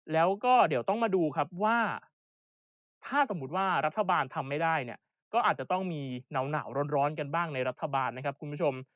แล้วก็เดี๋ยวต้องมาดูครับว่าถ้าสมมุติว่ารัฐบาลทำไม่ได้เนี่ยก็อาจจะต้องมีหนาวร้อนกันบ้างในรัฐบาลนะครับคุณผู้ชม